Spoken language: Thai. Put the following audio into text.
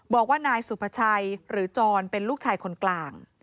บอกว่านายสุภาชัยหรือจรเป็นลูกชายคนกลาง